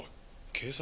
警察？